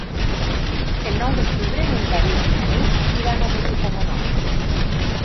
El nou d'octubre en David i na Nit iran a visitar mon oncle.